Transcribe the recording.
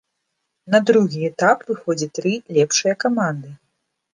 На другі этап выходзяць тры лепшыя каманды.